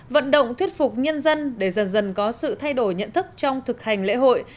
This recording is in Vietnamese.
vận động thuyết phục nhân dân để dần dần có sự thay đổi nhận thức trong thực hành lễ hội